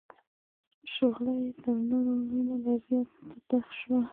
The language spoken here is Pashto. شغله یې تر نورو علومو لا زیاته تته شوه.